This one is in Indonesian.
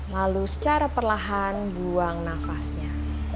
lalu secara perlahan buang nafasnya